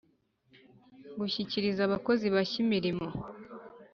Gushyikiriza abakozi bashya imirimo